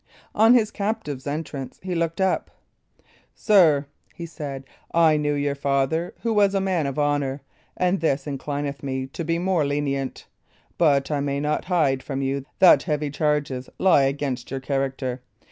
On his captive's entrance he looked up. "Sir," he said, "I knew your father, who was a man of honour, and this inclineth me to be the more lenient; but I may not hide from you that heavy charges lie against your character.